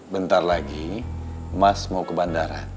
bentar lagi mas mau ke bandara